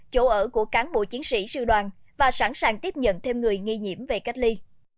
chỗ ở của cán bộ chiến sĩ sư đoàn và sẵn sàng tiếp nhận thêm người nghi nhiễm về cách ly